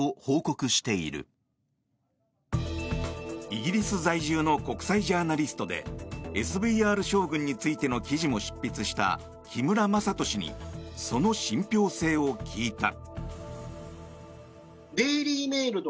イギリス在住の国際ジャーナリストでＳＶＲ将軍についての記事も執筆した木村正人氏にその信ぴょう性を聞いた。